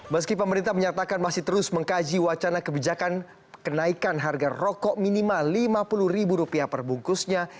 meski pemerintah menyatakan masih terus mengkaji wacana kebijakan kenaikan harga rokok minimal rp lima puluh ribu rupiah perbungkusnya